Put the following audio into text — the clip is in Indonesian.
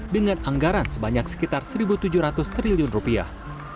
dengan anggaran sebanyak sekitar satu tujuh ratus triliun rupiah